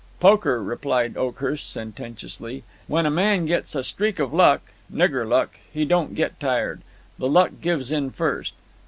"Poker!" replied Oakhurst, sententiously; "when a man gets a streak of luck, nigger luck he don't get tired. The luck gives in first.